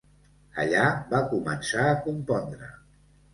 Allà va començar a compondre.